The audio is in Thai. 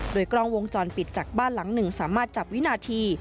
โดยกล้องวงจรปิดจากบ้านหลังหนึ่งสามารถจับวินาที